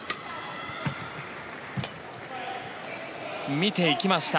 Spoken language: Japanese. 見ていきました。